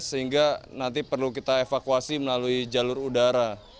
sehingga nanti perlu kita evakuasi melalui jalur udara